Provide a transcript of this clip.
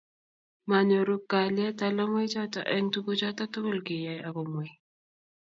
manyoru kalyet talamoichoto eng tuguchoto tugul kikiyai ak komwei